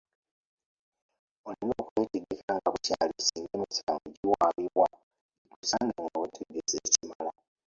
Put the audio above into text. Olina okwetegeka nga bukyali singa emisango giwaabibwa, gikusange nga weetegese ekimala.